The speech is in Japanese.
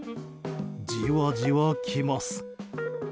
じわじわきます。